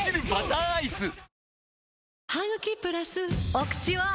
お口は！